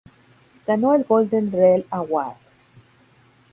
Ganó el Golden Reel Award.